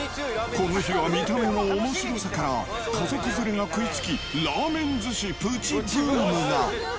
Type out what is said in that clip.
この日は見た目のおもしろさから、家族連れが食いつき、ラーメン寿司プチブームが。